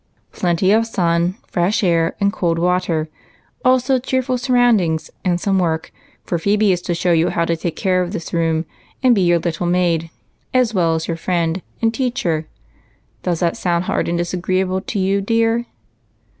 Plenty of sun, fresh air, and cold water ; also cheerful surroundings and some work ; for Phebe is to show you how to take care of this room, and be your little maid as well as friend and teacher. Does that sound hard and disagreeable to you, dear?"